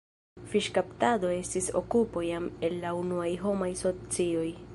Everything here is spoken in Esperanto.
Fiŝkaptado estis okupo jam el la unuaj homaj socioj.